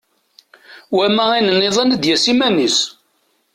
Wama ayen-nniḍen ad d-yas iman-is.